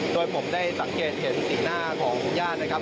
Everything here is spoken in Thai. โดยผมได้สังเกตเห็นสีหน้าของญาตินะครับ